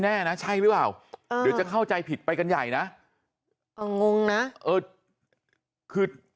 แน่นะใช่หรือเปล่าเดี๋ยวจะเข้าใจผิดไปกันใหญ่นะเอองงนะเออคือ